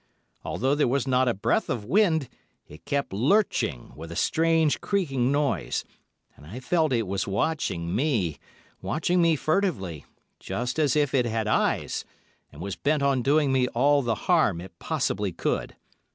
Although there was not a breath of wind, it kept lurching with a strange, creaking noise, and I felt it was watching me, watching me furtively, just as if it had eyes, and was bent on doing me all the harm it possibly could.